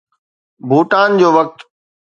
ڀوٽان جو وقت